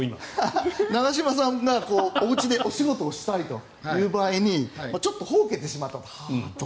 長嶋さんがおうちでお仕事をしたい場合にちょっと呆けてしまったと。